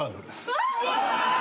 うわっ！